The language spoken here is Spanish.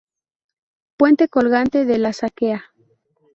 Puente colgante de La Saquea.